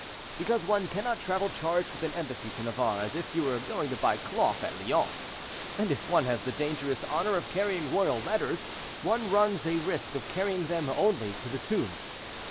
"Because one cannot travel charged with an embassy to Navarre as if you were going to buy cloth at Lyons; and if one has the dangerous honor of carrying royal letters, one runs a risk of carrying them only to the tomb."